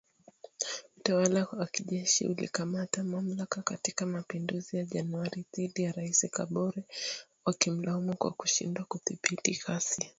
Utawala wa kijeshi ulikamata mamlaka katika mapinduzi ya Januari dhidi ya Rais Kabore wakimlaumu kwa kushindwa kudhibiti ghasia .